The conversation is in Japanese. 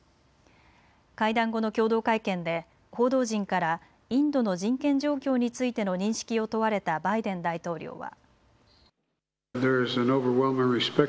会談後の共同会見で報道陣からインドの人権状況についての認識を問われたバイデン大統領は。